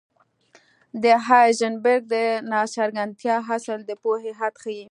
د هایزنبرګ ناڅرګندتیا اصل د پوهې حد ښيي.